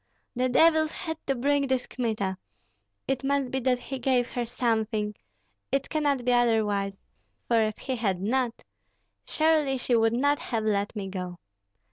the devils had to bring this Kmita. It must be that he gave her something, it cannot be otherwise; for if he had not, surely she would not have let me go.